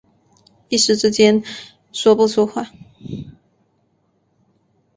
一时之间说不出话